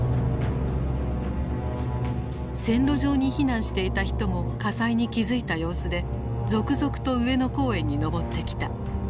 線路上に避難していた人も火災に気付いた様子で続々と上野公園に登ってきた。